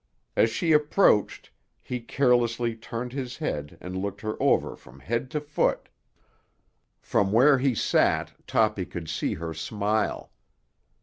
As she approached he carelessly turned his head and looked her over from head to foot. From where he sat Toppy could see her smile.